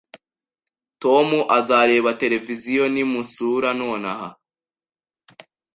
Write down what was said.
Tom azareba televiziyo nimusura nonaha